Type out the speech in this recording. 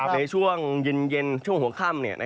ในช่วงเย็นช่วงหัวค่ำ